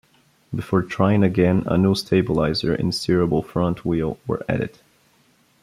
Before trying again, a new stabilizer and steerable front wheel were added.